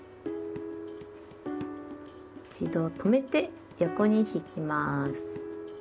一度止めて横に引きます。